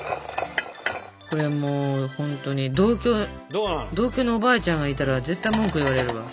これもうほんとに同居のおばあちゃんがいたら絶対文句言われるわ。